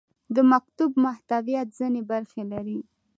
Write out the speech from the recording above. د مکتوب محتویات ځینې برخې لري.